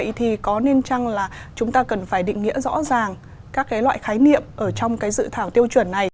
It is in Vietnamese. vậy thì có nên chăng là chúng ta cần phải định nghĩa rõ ràng các cái loại khái niệm ở trong cái dự thảo tiêu chuẩn này